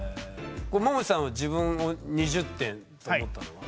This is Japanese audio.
ももちさんは自分を２０点と思ったのは？